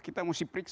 kita mau sebutkan